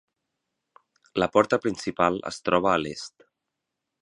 La porta principal es troba a l'est.